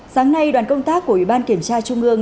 sáng nay đoàn công tác của ủy ban kiểm tra trung ương